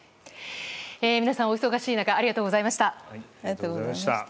皆さんお忙しい中ありがとうございました。